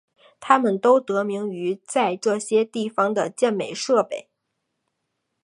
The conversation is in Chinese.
它们都得名于在这些地方的健美设备。